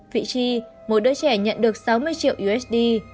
vị trí mỗi đứa trẻ nhận được sáu mươi triệu usd